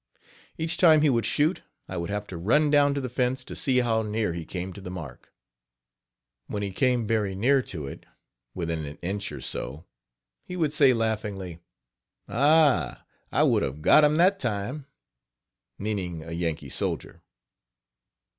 Each time he would shoot I would have to run down to the fence to see how near he came to the mark. When he came very near to it within an inch or so, he would say laughingly: Ah! I would have got him that time." (Meaning a Yankee soldier.)